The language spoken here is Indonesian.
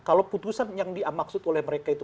kalau putusan yang dimaksud oleh mereka itu